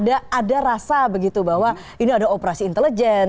ada rasa begitu bahwa ini ada operasi intelijen